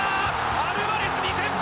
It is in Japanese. アルバレス、２点目！